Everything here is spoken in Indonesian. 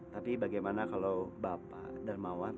tapi bagaimana kalau bapak dan mawar